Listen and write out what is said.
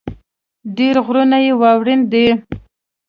ډېر غرونه يې واؤرين دي ـ